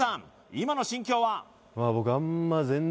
今の心境は？